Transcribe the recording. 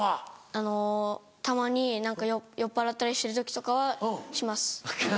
あのたまに何か酔っぱらったりしてる時とかはします。